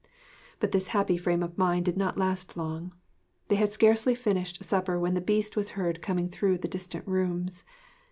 But this happy frame of mind did not last long. They had scarcely finished supper when the Beast was heard coming through the distant rooms.